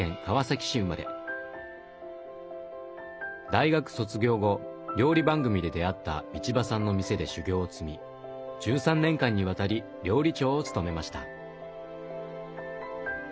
大学卒業後料理番組で出会った道場さんの店で修業を積み１３年間にわたり料理長を務めました。